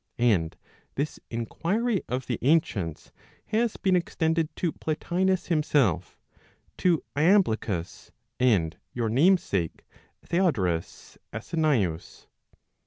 And this inquiry of the ancients has been extended to Plotinus himself, to Iamblichus, and your name¬ sake fTheodorus Asinaeus].